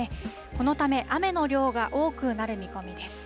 このため雨の量が多くなる見込みです。